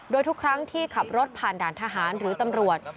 โดยทุกครั้งที่ขับรถผ่านด่านทหารหรือตำรวจ